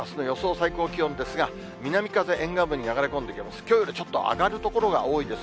最高気温ですが、南風、沿岸部に流れ込んできます。